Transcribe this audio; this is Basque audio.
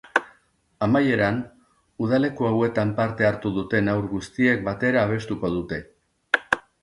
Amaieran, udaleku hauetan parte hartu duten haur guztiek batera abestuko dute.